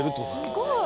すごい！